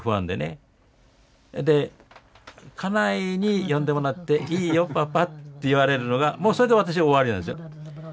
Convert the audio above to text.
で家内に読んでもらって「いいよパパ」って言われるのがもうそれで私「終わり」なんですよ。